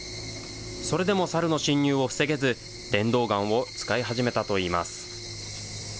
それでもサルの侵入を防げず、電動ガンを使い始めたといいます。